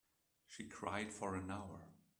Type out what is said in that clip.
She cried for an hour.